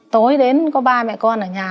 tối đến có ba mẹ con ở nhà